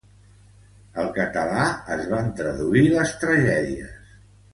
Al català, es van traduir les tragèdies.